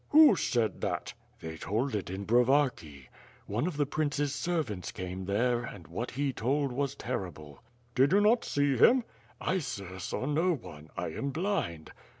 "Who said that?'' "They told it in Brovarki." One of the prince's servants came there, and what he told, was terrible. "Did you not see him." "I, sir, saw no one, I am blind."